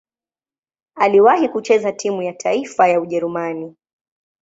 Aliwahi kucheza timu ya taifa ya Ujerumani.